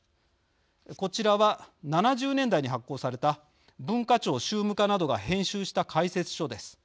こちらは７０年代に発行された文化庁宗務課などが編集した解説書です。